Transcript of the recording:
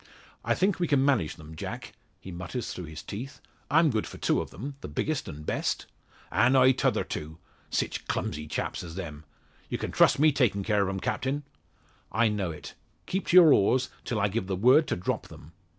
"I think we can manage them, Jack," he mutters through his teeth, "I'm good for two of them the biggest and best." "An' I t'other two sich clumsy chaps as them! Ye can trust me takin' care o' 'em, Captin." "I know it. Keep to your oars, till I give the word to drop them."